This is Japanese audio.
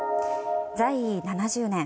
在位７０年。